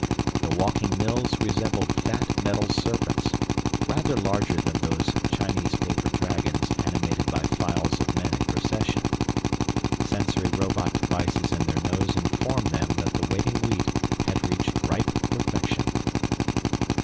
The walking mills resembled fat metal serpents, rather larger than those Chinese paper dragons animated by files of men in procession. Sensory robot devices in their noses informed them that the waiting wheat had reached ripe perfection.